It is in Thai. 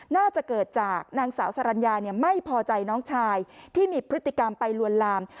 น่าจะเกิดจากนางสาวสรรญาไม่พอใจน้องชายที่มีพฤติกรรมไปลวนลาม